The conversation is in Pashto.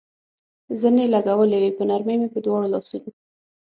زنې لګولې وې، په نرمۍ مې په دواړو لاسونو.